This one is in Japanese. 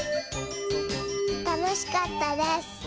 たのしかったです！